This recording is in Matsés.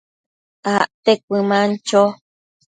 acte cuëman cho